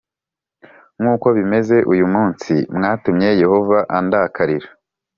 nk’uko bimeze uyu munsi. “Mwatumye Yehova andakarira,